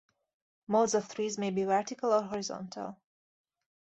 Molds of trees may be vertical or horizontal.